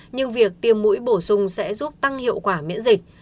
nhưng việc tiêm mũi bổ sung sẽ giúp tăng hiệu quả miễn dịch